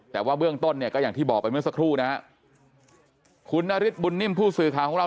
แต่ว่าเบื้องต้นเนี่ยก็อย่างที่บอกไปเมื่อสักครู่นะฮะคุณนฤทธบุญนิ่มผู้สื่อข่าวของเรา